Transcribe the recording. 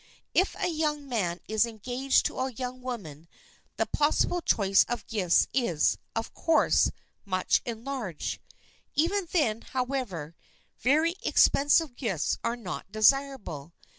If a young man is engaged to a young woman the possible choice of gifts is, of course, much enlarged. Even then, however, very expensive gifts are not desirable.